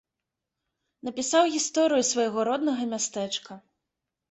Напісаў гісторыю свайго роднага мястэчка.